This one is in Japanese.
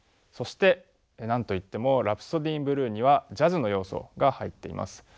そして何と言っても「ラプソディー・イン・ブルー」にはジャズの要素が入っています。